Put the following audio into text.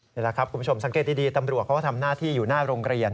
นี่แหละครับคุณผู้ชมสังเกตดีตำรวจเขาก็ทำหน้าที่อยู่หน้าโรงเรียน